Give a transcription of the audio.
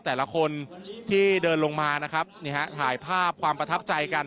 แต่ละคนที่เดินลงมานะครับนี่ฮะถ่ายภาพความประทับใจกัน